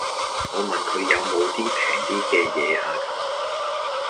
我問佢有無平啲既野呀咁